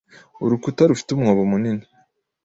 Urukuta rufite umwobo munini.